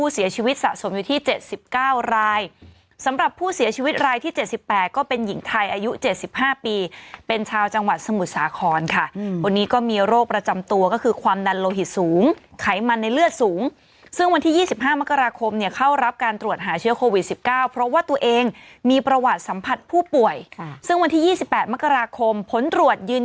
เสียชีวิตสะสมอยู่ที่๗๙รายสำหรับผู้เสียชีวิตรายที่๗๘ก็เป็นหญิงไทยอายุ๗๕ปีเป็นชาวจังหวัดสมุทรสาครค่ะวันนี้ก็มีโรคประจำตัวก็คือความดันโลหิตสูงไขมันในเลือดสูงซึ่งวันที่๒๕มกราคมเนี่ยเข้ารับการตรวจหาเชื้อโควิด๑๙เพราะว่าตัวเองมีประวัติสัมผัสผู้ป่วยซึ่งวันที่๒๘มกราคมผลตรวจยืน